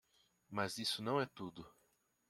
Mas isso não é tudo.